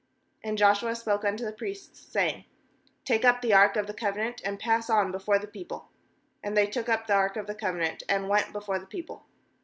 6And Joshua spoke unto the priests, saying: 'Take up the ark of the covenant, and pass on before the people.' And they took up the ark of the covenant, and went before the people.